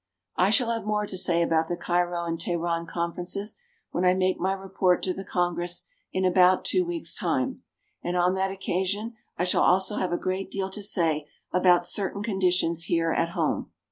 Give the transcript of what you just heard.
I shall have more to say about the Cairo and Teheran conferences when I make my report to the Congress in about two weeks' time. And, on that occasion, I shall also have a great deal to say about certain conditions here at home.